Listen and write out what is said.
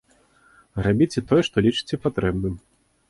Рабіце тое, што лічыце патрэбным.